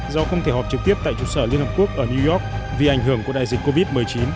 do không thể họp trực tiếp tại trụ sở liên hợp quốc ở new york vì ảnh hưởng của đại dịch covid một mươi chín